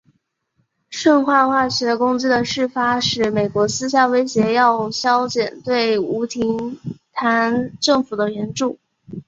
顺化化学攻击的事发使美国私下威胁要削减对吴廷琰政府的援助。